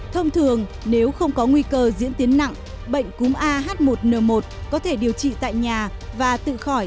thông thường nếu không có nguy cơ diễn tiến nặng bệnh cúm ah một n một có thể điều trị tại nhà và tự khỏi